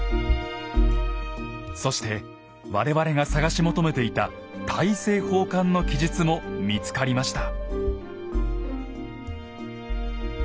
そして我々が探し求めていた大政奉還の記述も見つかりました。